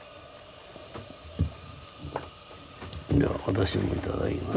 では私もいただきます。